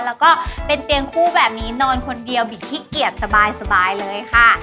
แล้วก็เป็นเตียงคู่แบบนี้นอนคนเดียวบิดขี้เกียจสบายเลยค่ะ